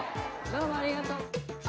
どうもありがとう。